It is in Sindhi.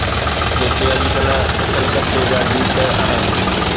جيڪي اڄڪلهه اڇل ڪڇي جا گيت آهن.